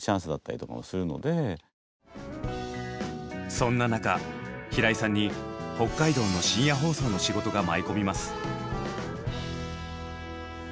そんな中平井さんに北海道の深夜放送の仕事が舞い込みます。